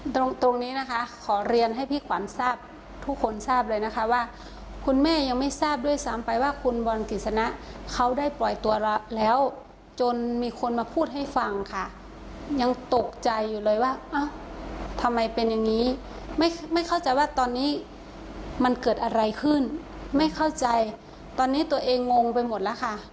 ตรงนี้นะคะขอเรียนให้พี่ขวัญทราบทุกคนทราบเลยนะคะว่าคุณแม่ยังไม่ทราบด้วยซ้ำไปว่าคุณบอลกฤษณะเขาได้ปล่อยตัวแล้วจนมีคนมาพูดให้ฟังค่ะยังตกใจอยู่เลยว่าเอ้าทำไมเป็นอย่างนี้ไม่เข้าใจว่าตอนนี้มันเกิดอะไรขึ้นไม่เข้าใจตอนนี้ตัวเองงงไปหมดแล้วค่ะ